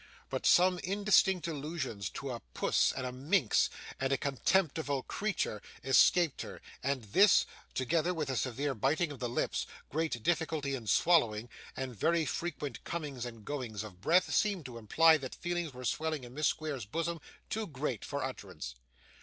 But some indistinct allusions to a 'puss,' and a 'minx,' and a 'contemptible creature,' escaped her; and this, together with a severe biting of the lips, great difficulty in swallowing, and very frequent comings and goings of breath, seemed to imply that feelings were swelling in Miss Squeers's bosom too great for utterance.